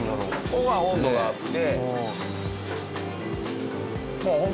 ここは温度があって。